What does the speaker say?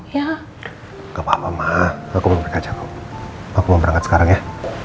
gak apa apa ma aku mau pergi aja aku mau berangkat sekarang ya